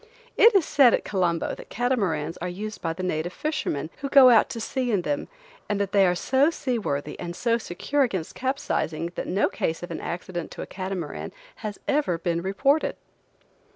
It is said at Colombo that catamarans are used by the native fisherman, who go out to sea in them, and that they are so seaworthy and so secure against capsizing that no case of an accident to a catamaran has ever been reported.